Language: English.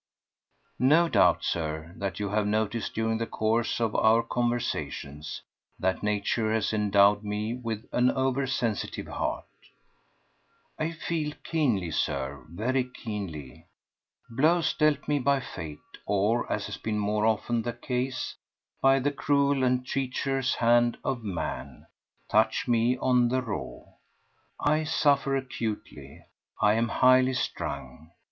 No doubt, Sir, that you have noticed during the course of our conversations that Nature has endowed me with an over sensitive heart. I feel keenly, Sir, very keenly. Blows dealt me by Fate, or, as has been more often the case, by the cruel and treacherous hand of man, touch me on the raw. I suffer acutely. I am highly strung.